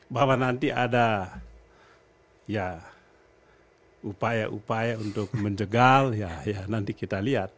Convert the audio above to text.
bahwa nanti ada ya upaya upaya untuk menjegal ya nanti kita lihat